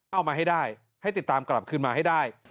เอามาให้ได้ให้ติดตามกลับคืนมาให้ได้